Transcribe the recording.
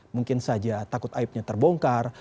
mungkin saja takut aibnya terbongkar